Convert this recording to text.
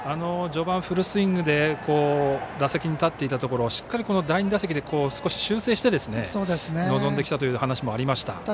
序盤フルスイングで打席に立っていたところをしっかりと第２打席で修正して臨んできたという話もありました。